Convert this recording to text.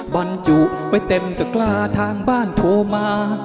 บรรจุไว้เต็มตระกล้าทางบ้านโทรมา